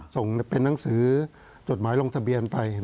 ส่งเป็นนังสือจดหมายลงทะเบียนไป